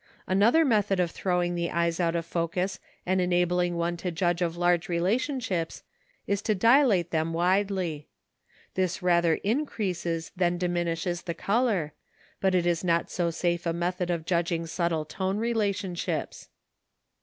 Another method of throwing the eyes out of focus and enabling one to judge of large relationships, is to dilate them widely. This rather increases than diminishes the colour, but is not so safe a method of judging subtle tone relationships.